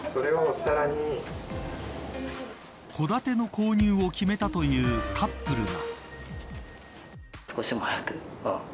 戸建ての購入を決めたというカップルが。